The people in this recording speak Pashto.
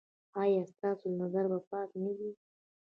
ایا ستاسو نظر به پاک نه وي؟